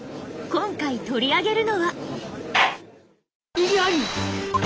今回取り上げるのは。